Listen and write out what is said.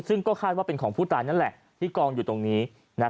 ซึ่งก็คาดว่าเป็นของผู้ตายนั่นแหละที่กองอยู่ตรงนี้